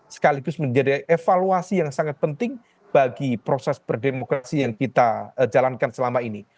sekaligus menjadi evaluasi yang sangat penting bagi proses berdemokrasi yang kita jalankan selama ini